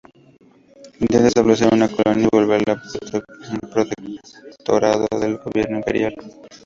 Intenta establecer una colonia y volverla un protectorado del gobierno imperial.